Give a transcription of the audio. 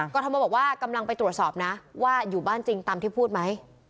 ทมบอกว่ากำลังไปตรวจสอบนะว่าอยู่บ้านจริงตามที่พูดไหม